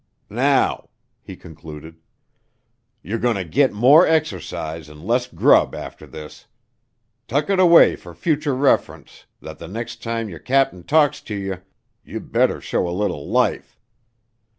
"Now," he concluded, "ye're goneter git more exercise an' less grub arter this. Tuck it away fer future ref'rence thet th' next time yer cap'n talks to yer ye'd better show a little life.